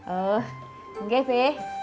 oh enggak be